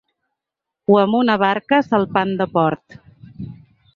O amb una barca salpant de port.